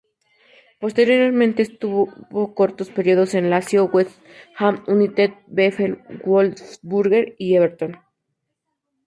Posteriormente, estuvo cortos períodos en Lazio, West Ham United, VfL Wolfsburg y Everton.